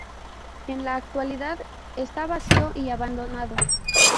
En la actualidad está vacío y abandonado.